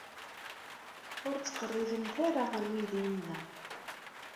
Ur ttqerribemt ara ɣer uydi-inna.